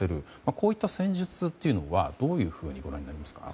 こういった戦術はどうご覧になりますか？